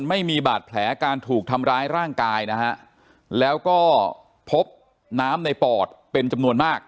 ไม่มีบาดแผลการถูกทำร้ายร่างกายนะฮะแล้วก็พบน้ำในปอดเป็นจำนวนมาก